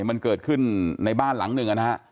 มันเกิดขึ้นในบ้านหลังหนึ่งนะฮะ